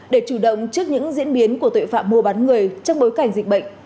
để chủ động trước những diễn biến của tội phạm mua bán người trong bối cảnh dịch bệnh